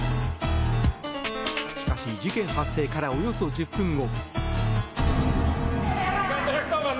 しかし、事件発生からおよそ１０分後。